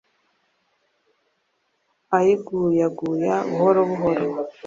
ayiguya guya buhoro buhoro